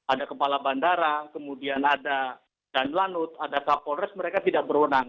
ada kepala bandara kemudian ada dan lanut ada kapolres mereka tidak berwenang